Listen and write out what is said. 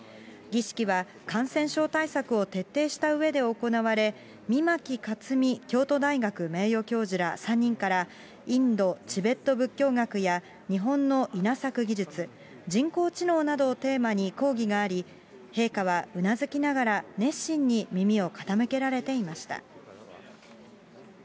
儀式は、感染症対策を徹底したうえで行われ、御牧克己京都大学名誉教授ら３人から、インド・チベット仏教学や、日本の稲作技術、人工知能などをテーマに講義があり、陛下はうなずきながら、熱心に耳を傾けられていました。